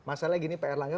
masalahnya gini pak erlangga